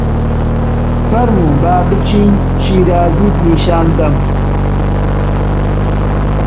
فەرموو با بچین شیرازیت نیشان دەم!